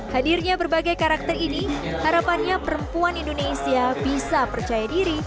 hadirnya berbagai karakter ini harapannya perempuan indonesia bisa percaya diri